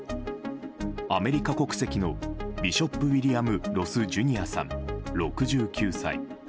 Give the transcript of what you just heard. アメリカ国籍のビショップ・ウィリアム・ロス・ジュニアさん６９歳。